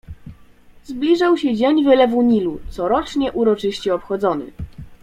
"Zbliżał się dzień wylewu Nilu, corocznie uroczyście obchodzony."